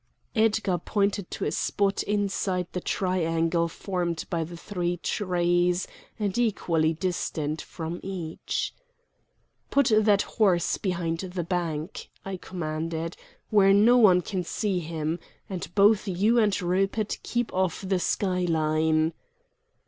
Edgar pointed to a spot inside the triangle formed by the three trees and equally distant from each. "Put that horse behind the bank," I commanded, "where no one can see him! And both you and Rupert keep off the sky line!"